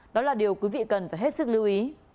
đó là điều quý vị cần phải hết sức lưu ý